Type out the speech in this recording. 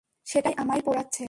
সেটাই আমায় পোড়াচ্ছে।